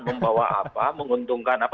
membawa apa menguntungkan apa